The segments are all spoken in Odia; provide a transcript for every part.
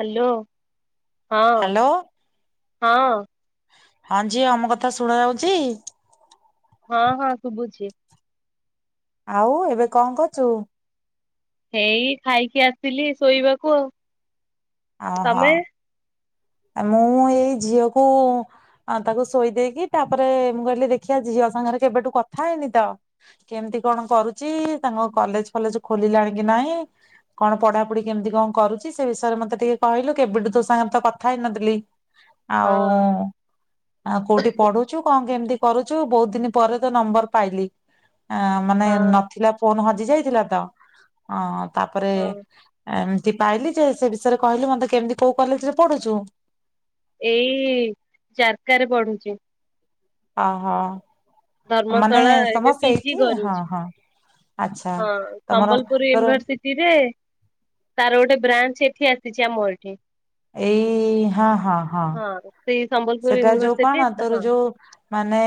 ହ୍ୟାଲୋ ହଁ ହ୍ୟାଲୋ ହଁ। ହଁଝିଅ ମୋ କଥା ଶୁଣ ଯାଉଛି? ହଁ ହଁ ଶୁଭୁଛି। ଆଉ ଏବେ କଣ କରଚୁ? ହେଇ ଖାଇକି ଆସିଲି ଶୋଇବାକୁ ଆଉ। ଅ ହୋ। ତମେ ମୁଁ ଏଇ ଝିଅକୁ ତାକୁ ଶୋଇ ଦେଇେଇକି ତାପରେ ମୁଁ କହିଲି ଦେଖିବା ଝିଅ ସାଙ୍ଗରେ କେବେଠୁ କଥା ହେଇନି ତ କେମିତି କଣ କରୁଛି ତାଙ୍କ କଲେଜ ଫଲେଜ ଖୋଲିଲାଣି କି ନାହିଁ କଣ ପଢାପଢି କେମିତି କଣ କରୁଛି ସେ ବିଷୟରେ ମତେ ଟିକେ କହିଲୁ କେବେଠୁ ତୋ ସାଙ୍ଗରେ ତ କ କଥା ଏନଥିଲ। ଆଉ ହଁ ଆ କୋଉଠି ପଢୁଛୁ କଣ କେମିତି? କରୁଛୁ ବହୁତ ଦିନ ପରେ ତ ନମ୍ବର ପାଇଲି? ଆ ମାନେ ହଁ ନଥିଲା ପୁନ ହଜ ଯାଇଥିଲା ତ ହଁ। ତାପରେ ହଁ ଏ। ପାଇଲି ଯେ ସେ ବିଷୟରେ କହିଲି ମତେ କେମିତି କଉ କଲେ ପଡୁଛୁ। ଏଇ ଚାରକା ରେ ପଢୁଛି। ହ ହଁ। ଧର୍ମଶାଳା ଏବେ ପିଜି ହଁ କରୁଛି। ହଁ ଆଚ୍ଛା ହଁ ତମର ସମ୍ବଲପୁର ତୋର ୟୁନିଭରସିଟି ରେ ତାର ଗୋଟେ ବ୍ରାଞ୍ଚ ଏଠି ଆସିଛି ଆମ ଏଠି। ଏଇ ହଁ ହଁ ହଁ ସେଇ ସମ୍ବଲପୁର ସେଟା ଯୋଉ ୟୁନିଭରସିଟି କଣ ତୋର ହଁ ଯୋଉ ମାନେ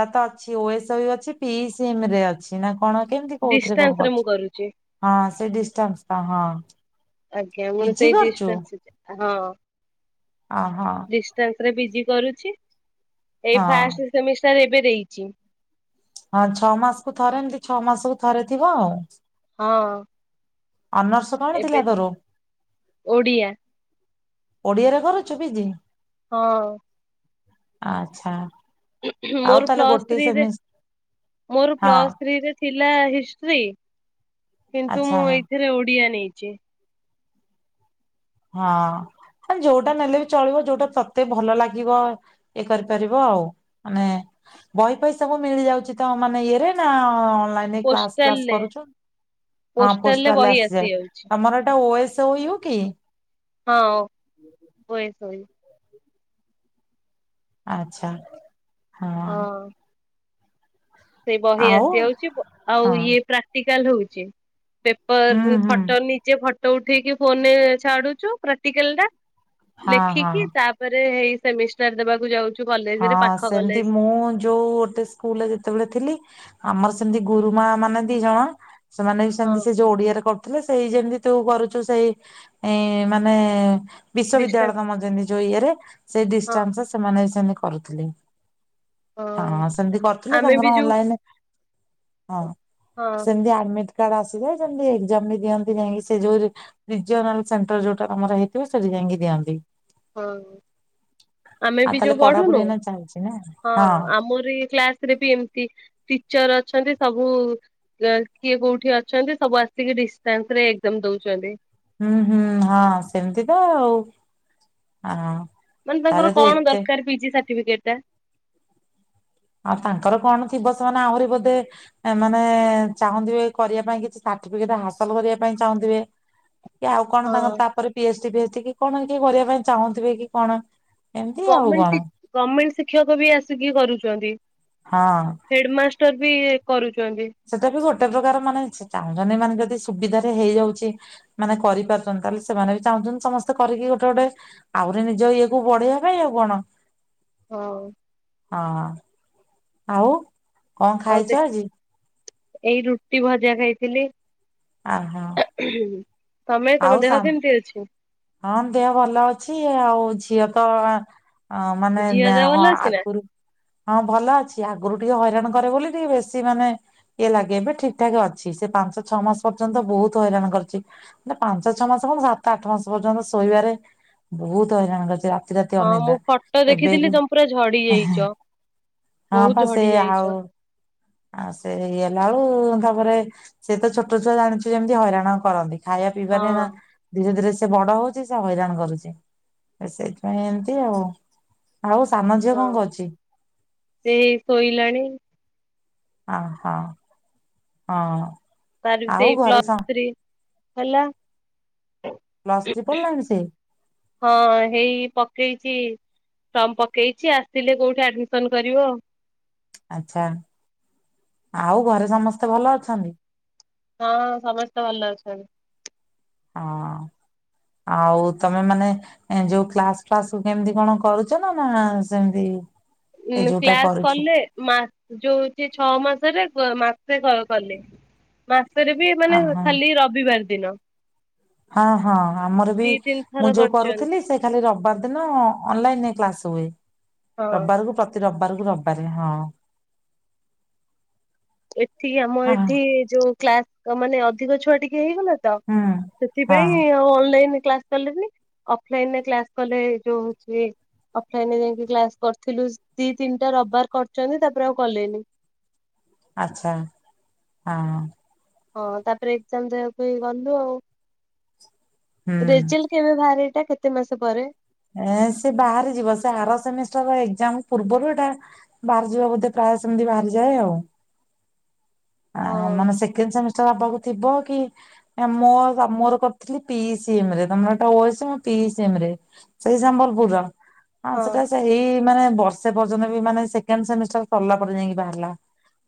ତା ତ ଅଛି ଓଏସ ଅଛି ପି ସିମ୍ ରେ ଅଛି ନା କଣ କେମିତି କହୁଥିଲେ ଡିଷ୍ଟାନ୍ସ କଣ ରେ ମୁଁ କରୁଛୁ? କରୁଛି। ହଁ ସେ ଡିାନ୍ସ ହଁ। ଆଜ୍ଞା ମୋର ପିଜି ସେଇଠ କରୁଛୁ ଇଷ୍ଟ ଆସଛି। ହଁ। ଅ ହଁ ଡିସଟାନ୍ସରେ ବିଜି କରୁଛି। ଏଇ ହଁ ଫାଷ୍ଟ ସେମିଷ୍ଟ ଏବେ ଦେଇଛି। ହଁ ଛଅ ମାସକୁୁ ଥରେ ଏମିତି ଛଅ ମାସକୁୁ ଥରେ ଥିବ ଆଉ। ହଁ। ଅନର୍ସ କଣ ଏବେ ଥିଲା ତୋର? ଓଡିଆ ଓଡିଆରେ କରୁଚୁ ପିଜି। ହଁ। ଆଚ୍ଛା ଆଉ ମୋର ତାହେଲେ ଗୋଟେ ପଲାସ୍ତ୍ରୀ ସେମି ମୋର ହଁ ପଲାସ୍ତସ୍ତ୍ରୀ ିକ ଲା ହିି କିନ୍ତୁ ଆଚ୍ଛା ମୁଁ ଏଇଥିରେ ଓଡିଆ ନେଇଛି ପଞ୍ଚି ହଁ ମ ଯୋଉଟା ନେଲେ ବି ଚଳିବ ଯୋଉଟା ତତେ ଭଲ ଲାଗିବ ଇଏ କରିପାରିବ ଆଉ ମାନେ ବହି ପହି ସବୁ ମିଳିଯାଉଛି ତ ମାନେ ଇଏରେ ନା ପୋଷ୍ଟାଲରେ ପୋଷ୍ଟାଲରେ ବହି ଆସିଯାଉଛି ମର ସୋଇଉ କି ହଁହ ଶୋଇ ଆଚ୍ଛା ହଁ ସେଇ ବହି ଆଉ ଆସି ଯାଉଛି ଆଉ ହଁ ଇଏ ପ୍ରା ଚାାଲ ହଉଛି ହୁଁ ପେପର ହୁଁ ଫଟୋ ନିଜେ ଫଟୋ ତ ଉଠେଇିକି ଫୋନ ଛାଡୁଛୁ ପ୍ରତିିକାଲ ଟା ହଁ ହଁ ଲେଖିକି ତାପରେ ହେଇ ସେମିଷ୍ଟାର ଦେବାକୁ ଯାଉଛି ହଁ ସେମିତି ମୁଁ ଯୋଉ ଗୋଟେ ସ୍କୁଲ କେତେବେଳେ ଥିଲି ଆମର ସେମତି ଗୁରୁ ମା ମାନେ ଦି ଜଣ ସେମାନେ ବି ହଁ ସେମିତି ସେ ଯୋଡିଆରେ ଥିଲେ ସେଇ ଯେମିତି ତୁ କରୁଛୁ ସେଇ ଏଇ ମାନେ ବିଶ୍ୱବିଦ୍ୟାଳୟ ଡିଷ୍ଟାନ୍ସ ତ ମମଜେ ନି ଯୋଇଏରେ ସେଇ ହଁ ଡିଷ୍ଟାସରେ ସେମାନେ ହେ କରୁଥିଲି ହଁ ସେମିତି କରିଥିଲେ ଆମେ ବି ତାଙ୍କର ଯୋଉ ଅନଲାଇନ ହଁ ହଁ ସନ୍ଧ୍ୟା ଆଳମେ ାର୍ଡ ଆସିଯଥାଏ ଯେମିତି ଏଜାମ ବି ଦିନ୍ତି ଯାଇକି ସେଉଲ ସେଣ୍ଟର ଯୋଉଟାମର ହେଇଥିବ ସେଠି ଯାଇକି ଦିଅନ୍ତି ହଁ ଆମେ ଆଉ ବି ତାହେଲେ ଯୋଉ ବ ପଢାପଢି ମମ ଏଇନା ଚାଲିଛି ନା ହଁ ସବୁ କିଏ କୋଉଠି ଅଛନ୍ତି ସବୁ ଆସିକି ଡିାସ ଦଉଛନ୍ତି ହୁଁ ହୁଁ ହଁ ସେମିତି ତ ଆଉ ହଁ ମାନେ ତାଙ୍କର ତାହେଲେ ତୁ କଣ ଏତେ ଦରକାର ପିଇଛିଠ [unintelligible] ଆଉ ତାଙ୍କର କଣ ଥିବ ସେମାନେ ଆହୁରି ବୋଧେ ମାନେ ଚାହୁଁଥିବେ କରିବା ପାଇଁ କିଛି ସାର୍ଟିଫିକେଟ ହାସଲ କରିବା ପାଇଁ ଚାହୁଁଥିବେ! ଆଉ କଣ ତାଙ୍କ ହଁ ତାପରେ ପି ଏଚ ଟି ବିଚ ଏ କି କଣ କିଏ କରିବା ପାଇଁ ଚାହୁଁଥିବେ କି କଣ? ଏମିତି ଆଉ କଣ ଗମେନ୍ଟ ଗମେର୍ଣ୍ଣମେଣ୍ଟ ଶିକ୍ଷକ ବି ଆସିକି କରୁଛି ଛନ୍ତି [unintelligible] ହଁ ବି କରୁଛି [unintelligible] ସେଟା ବି ଗୋଟେ ପ୍ରକାର ମାନେ ଚାହୁଁଛନ୍ତି ମାନେ ଯଦି ସୁବିଧାରେ ହେଇଯାଉଛି ମାନେ କରିପାରୁଛନ୍ତି ତାହେଲେ ସେମାନେ ବି ଚାହୁଁଛନ୍ତି ସମସ୍ତେ କରିକି ଗୋଟେ ଗୋଟେ ଆହୁରି ନିଜ ଇଏ କୁ ବଢେଇବା ପାଇଁ ଆଉ କଣ ହଁ ହଁ ଆଉ କଣ ଆଉ ଦେ ଖାଇଛ ଆଜି ଏଇ ରୁଟି ଭଜଆ ଖାଇଥିଲି ଆଉ କଣ? ତମେ ତମ ଆଉ ଦେହ କେମିତି ଅଛି? ହଁ ଦେହ ଭଲ ଅଛି ଆଉ ଝିଅ ତ [unintelligible] ହ ମାନେ ଝିଅ ଦେହ ଭଲ ଅଛି ନା? ଆଗରୁ ହଁ ଭଲ ଅଛି ଆଗରୁ ଟିକେ ହଇ ହଇରାଣ କରେ ବୋଲି ଟିକେ ବେଶୀ ମାନେ ଇଏ ଲାଗେ ଏବେ ଠିକ ଠାକ ଅଛି ସେ ପାଞ୍ଚଶହ ଛଅ ମାସ ପର୍ଯ୍ୟନ୍ତ ବହୁତ ହଇରାଣ କରିଛି ପାଞ୍ଚ ଛଅ ମାସ ଏବଂ ସାତ ଆଠ ମାସ ପର୍ଯ୍ୟନ୍ତ ଶୋଇବାରେ ବହୁତ ହଇରାଣ ଅଛି ରାତି ହଁ ଅନିଦ୍ରା ମୁଁ ଫଟୋ ଏବେ ଦେଖିଥିଲି ତମେ ପୁରା ଝଡି ଯାଇଛ ହଁ ବହୁତ ପା ସେ ଝଡି ଯାଇଛ। ଆଉ ସେ ଇଏ ହେଲା ବେଳୁ ତାପରେ ସେ ତ ଛୋଟ ଛୁଆ ଜାଣିଛ ଯେମିତି ହଇରାଣ କରନ୍ତି। ଖାଇବା ହଁ ପିଇବାାନ ନା ଧୀରେ ଧୀରେ ସେ ବଡ ହଉଛି ସେ ହଇରାଣ କରୁଛି ସେଇଥିପାଇଁ ଏମତି ଆଉ ସାନ ଝିଅ ହଁ କଣ କରୁଛି? ଏଇ ଶୋଇଲାଣି ହଁ ହଁ ହଁ। ତାର ବି ଆଉ ସେଇ ଘରେ ସ ପ୍ଲସ ଥ୍ରୀ ହେଲା ପ୍ଲସ୍ ଥ୍ରୀ ପଢିଲାଣି ସେ? ହଁ ହେଇ ପକେଇଛି ଫର୍ମ ପକେଇଛି ଆସିଲେ କୋଉଠି ଆଡମିସନ କରିବ। ଆଚ୍ଛା ଆଉ ଘରେ ସମସ୍ତେ ଭଲ ଅଛନ୍ତି। ହଁ ସମସ୍ତେ ଭଲ ଅଛନ୍ତି। ହଁ ଆଉ ତମେ ମାନେ ଯୋଉ କ୍ଲାସ ଫ୍ଲାସ କେମିତି କଣ କରୁଛ ନା ନା ସେମିତି ଉ ଏଇ ଯୋଉଟା କ୍ଲାସ କରୁଛୁ? କଲେ ମା ଯୋଉଛି ଛଅ ମାସରେ ମାସେ କଲେ ମା ମାସରେ ବି ମାନେ ଅହଁ ଖାଲି ରବିବାର ଦିନ। ହଁ ହଁ ଆମର ବି ଦି ତିନି ମୁଁ ଥର ଯୋଉ କରିଛନ୍ତି। କରୁଥିଲି ସେ ଖାଲି ର ବାର ଦିନ ଅନଲାଇନରେ କ୍ଲାସ ହୁଏ। ହଁ ରବିବାରକୁ ପ୍ରତି ରବିବାରକୁ ରବିବାରେ ହଁ। ଏଠି ଆମ ହଁ ଏଠି ଯୋଉ କ୍ଲାସ ମାନେ ଅ ଅଧିକ ଛୁଆ ଟିକେ ହେଇଗଲା ହୁଁ। ହଁ ସେଥିପାଇଁ ଆଉ ଅନଲାଇନ୍ କ୍ଲାସ କଲେ ପୁଣି ଓଏଫ୍ଲିନ କ୍ଲାସ କଲେ ଯୋଉ ସେ ଦି ତିନିଟା ରବାର ତାପରେ ଆଉ କଲେନି। ଆଚ୍ଛା ହଁ। ହଁ ତାପରେ ଏକ୍ଜାମ ଦେବାକୁ ହ ଗଲୁ ଆଉ। ହୁଁ। [unintelligible] ଟା କେତେ ମାସ ପରେ? ଏ ସେ ବାହାରି ଯିବ ସେ ହର ସେମିଷ୍ଟର ଏଜାମ ପୂର୍ବରୁ ଏଇଟା ବାହାରି ଯିବା ବୋଧେ ପ୍ରାୟ ସେମିତି ବାହାରିଯାଏ ଆଉ। ମାନେ ହଁ ସେକେଣ୍ଡ ସେମିଷ୍ଟର ହବାକୁ ଥିବ କି ମୋ ମୋର କରିଥିଲି ପି ସଏମ ରେ ତମର ଏଟା ପି ରେ ସେଇ ସମ୍ବଲପୁର ହଁ ସେଟା ସେଇ ମାନେ ବର୍ଷେ ପର୍ଯ୍ୟନ୍ତ ବି ମାନେ ସେକେଣ୍ଡ ସେମିଷ୍ଟର ସରିଲା ପରେ ଯାଇକି ବାହାରିଲା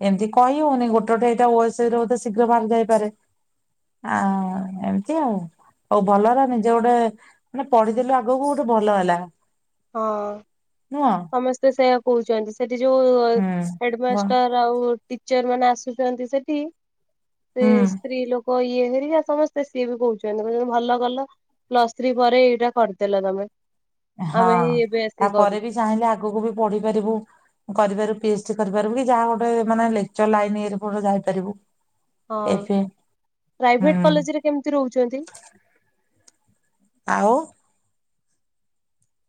ଏମିତି କହି ହଉନି ଗୋଟେଠ ଏଇଟା ଓଏସ ଶୀଘ୍ର ବାହାରି ଯାଇପାରେ ଆ ଏମତି ଆଉ ଆଉ ଭଲର ନିଜ ଗୋଟେ ମାନେ ପଢିଦଲେ ଆ ଆଗକୁ ଗୋଟେ ଭଲ ହେଲା। ହଁ ନୁହଁ। ସମସ୍ତେ ସେ କହୁଛନ୍ତି। ସେଠି ଯୋଉ ହୁଁ ବ ହେଡମାଷ୍ଟର ଆଉ ଟିଚର ମାନେ ଆସୁଛନ୍ତି ସେଠି ସେ ହୁଁ ସ୍ତ୍ରୀ ଲ କ ଇଏ ହେରି ଆ ସମସ୍ତେ ସିଏ ବି କହୁଛନ୍ତି। କ ଭଲ କଲ ପ୍ଲସ ଥ୍ରୀ ପରେ ଏଇଟା କରିଦେଲ ତମେ। ହଁ ଆମେ ହିଁ ଏବେ ଆସିକି ତାପରେ କରୁଛୁ। ବି ଚାହିଁଲେ ଆଗକୁ ବି ପଢିପାରିବୁ କରିବାର ପି ଏଚ କରିପାରିବୁ କି ଯାହା ଗୋଟେ ମାନେ ଲେଚର ଲାଇନ ଯାଇପାରିବୁ। ହଁ ଏବେ ପ୍ରାଇଭେଟ ହୁଁ କଲେଜରେ କେମିତି ରହୁଛନ୍ତି।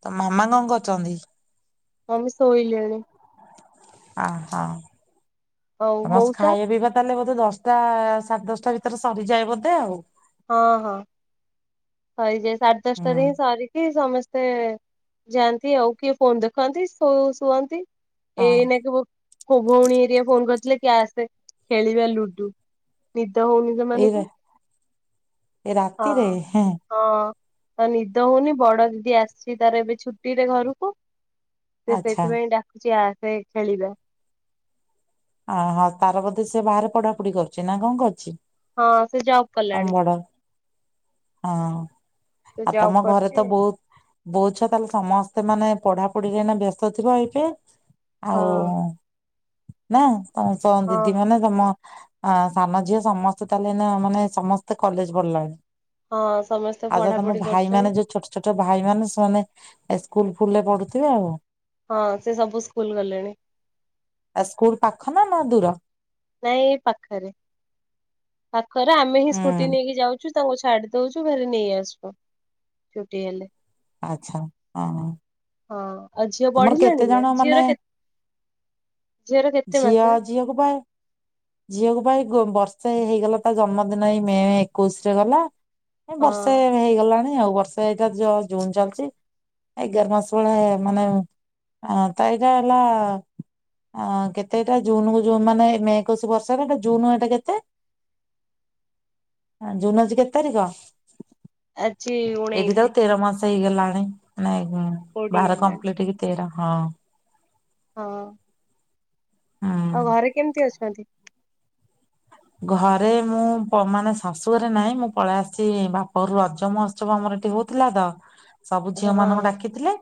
ତ ମାମା କଣ କର ଅଛନ୍ତି। ମମି ସୋଇଲଣି? ହ ହୋ। ହଉ ସମସ୍ତେ ମଉସା ଖାଇବା ପିଇବା ତାହେଲେ ବୋଧେ ଦଶ ଦଶଟା ସାଢେ ଦଶଟା ଭିତରେ ସରିଯାଏ ବୋଧେ ଆଉ। ହଁ ହଁ। ସଇଯାଏ ସାଢେ ହୁଁ ଦଶଟାରେ ହିଁ ସରିକି ସମସ୍ତେ। ଯାଆନ୍ତି ଆଉ କିଏ ଫୋନ ଦେଖାନ୍ତି ଶୁଅନ୍ତି। ହଁ ଏକ। ହୋ ଭଉଣୀ ଏରିଆ ଫୋନ କରିଥିଲେ କି ଆସେ ଖେଳିବା ଲୁଡୁ। ହଉନି ଏଇ ସେମାନଙ୍କୁ ଏ ହଁ ରାତିତି ରେ ହଁ ତ ନିଦ ହଉନି ବଡ ଦିଦି ଆସିଛି ତାର ଏବେ ଛୁଟିରେ ଘରକୁ। ସେ ଆଚ୍ଛା। ସେଥିପାଇଁ ଡାକୁଚ ଆ ସେ ଖେଳିବ। ଅହଁ ତାର ବୋଧେ ସେ ବାହାରେ ପଢା ପଢି କରୁଛି ନା କଣ କରୁଛି। ହଁ ସେ ଯାଉ ତମ କଲାଣି ବଡ ହଁ। ସେ ଯାଉ କରଛି। ବହୁଛ ତାହେଲେ ସମସ୍ତେ ମାନେ ପଢା ପଢିରେ ବ୍ୟସ୍ତ ଥିବ ଏଇବେ ହଁ ହଉ। [unintelligible] ନ ତମ ଦିଦି ହଁ। ମାନେ ତମ ଅ ସାନ ଝିଅ ସମସ୍ତେ ତାହେଲେ ମାନେ ସମସ୍ତେ କଲେଜ ପଢିଲାଣି। ହଁ ସମସ୍ତେ ଆଉ ଯ ତମ ପଢାପଢି ଭାଇ କରୁଛନ୍ତି। ମାନେ ଯୋଉ ଛୋଟ ଛୋଟ ଭାଇ ମାନେ ସେମାନେ ଏ ସ୍କୁଲ ଫୁଲରେ ପଢୁଥିବେ ଆଉ ହଁ ସେ ସବୁ ସ୍କୁଲ ଗଲେଣି। ଆ ସ୍କୁଲ ପାଖ ନା ନା ଦୁର ନାଇଁ ପାଖରେ ଖରେ ଆମେ ହିଁ ସ୍କୁଟି ହୁଁ ନେଇକି ଯାଉଛୁ। ତାଙ୍କୁ ଛାଡି ଦଉଛୁ ଘରେ ନେଇ ଆସିବ ଛୁଟି ହେଲେ। ଆଛା ହଁ। ହଁ। ଆଉ ଝିଅ ତମର କେତେ ବଢିଲାଣି ନା ଜଣ ମାନେ ଝିଅର କେ ଝିଅର କେତେ ଝିଅ ମାସେ ଝିଅକୁ ବା ଝିଅକୁ ପାଇଁ ବର୍ଷେ ହେଇଗଲା ତା ଜନ୍ମଦିନ ଏଇ ମେ ଏକୋଇଶି ରେ ଗଲା। ଏ ହଁ ବର୍ଷେ ହେଇଗଲାଣି। ଆଉ ବର୍ଷ ଏଇଟା ଯ ଜୁନ୍ ଚାଲିଛି ଏଗାର ମାସ ଭଳିଆ ମାନେ ତ ଏଇଟା ହେଲା କେତେଟା ଜୁନ କୁ ଜୁନ ମାନେ ମେ ଏକୋଇଶି ବର୍ଷ ଜୁନ ଏଟା କେତେ ଜୁନ ଆଜି କେତେ ତାରିଖ? ଆଜି ଉଣେଇଶି। ସେଇ ଗଲାଣି ନାଇଁ। ହୁଁ କୋଡିଏ ବାହାର ହେଲାଣି କମ୍ପ୍ଲିଟି। ହଁ। ହଁ। ଆଉ ହୁଁ ଘରେ କେମିତି ଅଛନ୍ତି? ଘରେ ମୁଁ ମାନେ ଶାଶୁ ଘରେ ନାଇଁ ମୁଁ ପଳେଇ ଆସିଛି ବାପ ଘରୁ ରଜ ମହୋତ୍ସବ ଆମର ଏଠି ହଉଥିଲା ତ। ସବୁ ଝିଅ ହଁ ହଁ ମାନଙ୍କୁ ଡାକିଥିଲେ।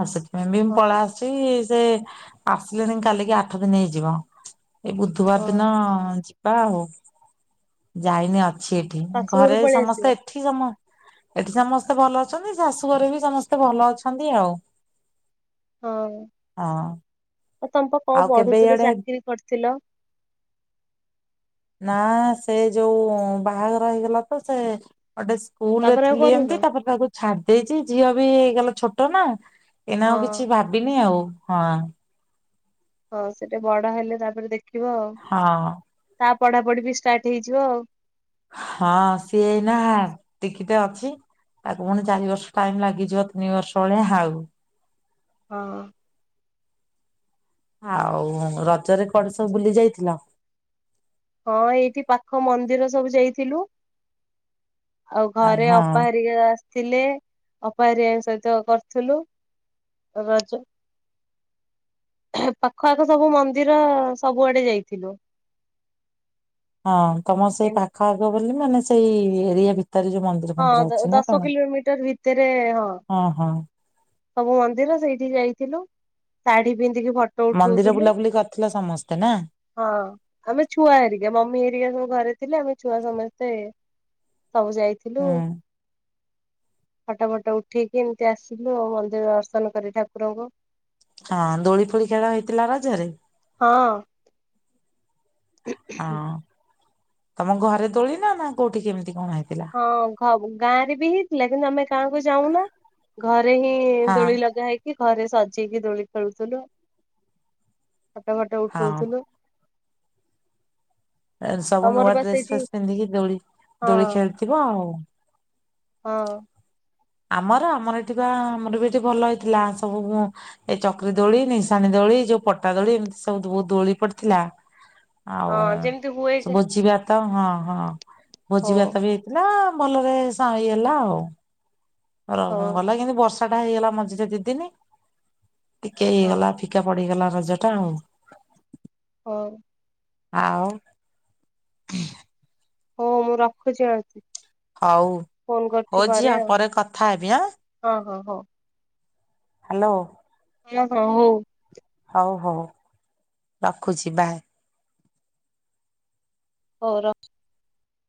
ଆସେ। ଏମିତି ମୁଁ ପଳେଇ ଆସିଛି। ସେ ଆସିଲେନି କାଲିକି ଆଠ ଦିନ ହେଇଯିବ। ଏଇ ବୁଧବାର ହଁ ଦିନ ଯି ଓହୋ। ଯାଇନ। ଅଛି ଏଠି ଶାଶୁଘରୁ ଘରେ ପଳେଇ ଆସିବ? ସମସ୍ତେ ଏଠି ସମ ଏଠି ସମସ୍ତେ ଭଲ ଅଛନ୍ତି ଶାଶୁଘରେ ବି ସମସ୍ତେ ଭଲ ଅଛନ୍ତି ଆଉ। ହଁ। ହଁ ଆଉ ତମେ ବା କଣ ଆଉ କେବେ ପଢ଼ିଥିଲ ଇଆଡେ ଚାକିରୀ କରିଥିଲ। ନା ସେ ଯୋଉ ବାହାଘର ହେଇଗଲା ତ ସେ ଗୋଟେ ସ୍କୁଲରେ ତାପରେ ଆଉ ଥିଲି କରୁନ? ଏମିତି ତାପରେ ତାକୁ ଛାଡି ଦେଇେଇଛି ଝିଅ ବି ହେଇଗଲା ଛୋଟ ନା। ଏଇନା ହଁ ଆଉ କିଛି ଭାବିନି ଆଉ। ହଁ। ହଁ ସେଟା ବଡ ହେଲେ ତାପରେ ଦେଖ ରଖିବ ଆଉ ହଁ ତା ପଢାପଢି ବି ଷ୍ଟାର୍ଟ ହେଇଯିବ ଆଉ। ହଁ ସିଏ ନା ଟିକିଟେ ଅଛି ତାକୁ ପୁଣି ଚାରି ବର୍ଷ ଟାଇମ ଲାଗିଯିବ ତିନି ବର୍ଷ ଭଳିଆ ଆଉ। ହଁ। ଆଉ ରଜରେ କୁଆଡ଼େ ସବୁ ବୁଲି ଯାଇଥିଲ? ହଁ ଏଇଠି ପାଖ ମନ୍ଦିର ସବୁ ଯାଇଥିଲୁ। ଆଉ ଘରେ ହଁ ଅପା ହାରିକା ଥିଲେ ଅପା ହାରିକା ସହିତ କରିଥିଲୁ ରଜ ପାଖ ଆଖ ସବୁ ମନ୍ଦିର ସବୁଆଡେ ଯାଇଥିଲୁ। ହଁ ତମ ସେଇ ଏମ୍ ପାଖ ଆଗ ବୋଲି ମାନେ ସେଇ ଏରିଆ ଭିତ ହଁ ଦଶ କିଲୋମିଟର ଭିତରେ ହଁ ସବୁ ମନ୍ଦିର ସେଇଠି ଯାଇଥିଲୁ ଶାଢୀ ପିନ୍ଧ ସେଇ ଯୋଉ ଫଟୋ ମନ୍ଦିର ଉଠଉଥିଲୁ ବୁଲାବୁଲି କରିଥିଲ ସମସ୍ତେ ନା? ହଁ ଆମେ ଛୁଆ ହେରିକା ମମି ହେରିକା ସବୁ ଘରେ ଥିଲେ ଆମେ ଛୁଆ ସମସ୍ତେ ସବୁ ଯାଇଥିଲୁ। ହୁଁ ହଟା ଫଟ ଉଠେଇକି ଏମିତି ଆସିବି। ମନ୍ଦିର ଦର୍ଶନ କରି ଠାକୁରଙ୍କୁ ହଁ ଦୋଳି ଫୋଳି ଖେଳ ହେଇଥିଲା ରଜରେ? ହଁ। ହଁ। ତମ ଘରେ ଦୋଳି ନା ନା କୋଉଠି କେମିତି କଣ ହେଇଥିଲା? ହଁ ଘ ଗାଁ ରେ ବି ହେଇଥିଲା କିନ୍ତୁ ଆମେ କାକୁ ଯାଉନା ଘରେ ଘରେ ହିଁ ହଁ ଦୋଳି ଲଗା ହେଇକି ଘରେ ସଜେକି ଦୋଳି ଖେଳୁଥିଲୁ। ଫଟ ଫଟ ହଁ ଉଠଉଥିଲୁ। ସବୁ ତମର ନୂଆ ବା ଡ୍ରେସ ସେଇଠି ଫେସ୍ ପିନ୍ଧିକି ଦୋଳି ହଁ ଦୋଳି ଖେଳିଥିବ ଆଉ ହଁ। ଆମର ଆମର ଏଠି ବା ଆମର ବି ଏଠି ଭଲ ହେଇଥିଲା ସବୁ ଏ ଚକ୍ରୀ ଦୋଳି ନିଶାଣି ଦୋଳି ଯୋଉ ପଟା ଦୋଳି ଏମିତି ସବୁ ବହୁ ଦୋଳି ପଡିଥିଲା। ଆଉଁ ହଁ ଯେମିତି ହୁଏ ସେ ଭୋଜି ତ ହଁ ହଁ ହଉ ଭୋଜି ଭାତ ବି ହେଇଥିଲା। ଭଲରେ ସ ହେଇଗଲା ଆଉ। ର ହଉ ଗଲା କେମତି ବର୍ଷା ଟା ହେଇଗଲା ମଝିରେ ଦିଦିନି ଟିକେ ହଁ ହେଇଗଲା ଫିକା ପଡିିଗଲା ହଜାର ଟଙ୍କା ହଉ। ଆଉ ହଁ ହଉ ମୁଁ ରଖୁଛି ଆଳତି ହଉ ହଉ ଝିଅ ପରେ କଥା ହେବି ଆଁ ଆଉ ହଁ ହଁ ହ୍ୟାଲୋ ଓଁ ହଁ ହଉ ହଉ ହଉ ରଖୁଛି ବାଏ ହଉ ର